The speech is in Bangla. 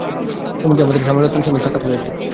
সম্প্রতি আমার স্বামিরত্নের সঙ্গে সাক্ষাৎ হয়েছে।